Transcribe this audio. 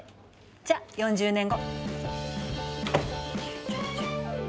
じゃ４０年後！